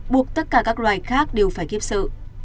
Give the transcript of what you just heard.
buộc tất cả các loài khác đều phải kiếp sự